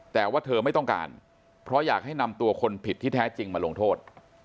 แต่ว่าเธอไม่ต้องการเพราะอยากให้นำตัวคนผิดที่แท้จริงมาลงโทษ